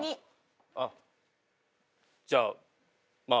あっじゃあま